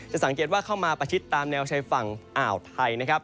สังเกตว่าเข้ามาประชิดตามแนวชายฝั่งอ่าวไทยนะครับ